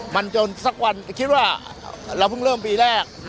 มันจนสักวันคิดว่าเราเพิ่งเริ่มปีแรก